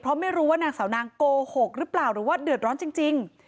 เพราะไม่รู้ว่านางสาวนางโกหกหรือเปล่าหรือว่าเดือดร้อนจริง